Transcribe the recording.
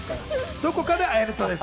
どこかで会えるそうです。